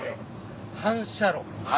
反射炉。